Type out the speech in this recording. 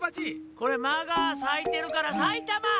これ「ま」がさいてるからさいたま！